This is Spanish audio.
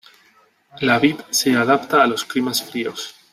La vid se adapta a los climas fríos.